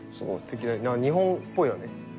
日本っぽいよね。